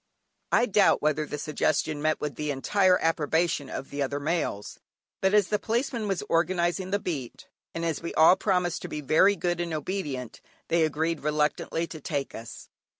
I doubt whether the suggestion met with the entire approbation of the other males, but as the Policeman was organising the beat, and as we all promised to be very good and obedient, they agreed reluctantly to take us.